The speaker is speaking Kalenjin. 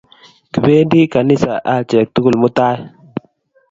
Kipendi ganisa achek tukul mutai